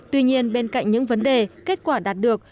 tuy nhiên bên cạnh những vấn đề kết quả đạt được